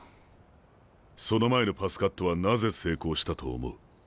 その前のパスカットはなぜ成功したと思う？